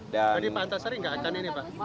jadi pantas sering gak akan ini pak